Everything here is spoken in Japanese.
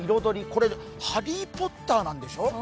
これ、ハリー・ポッターなんでしょ。